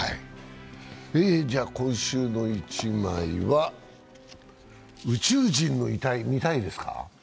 「今週の一枚」は、宇宙人の遺体、見たいですか？